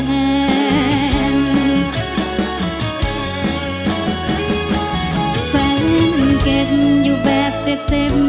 แฟนเก็บอยู่แบบเจ็บ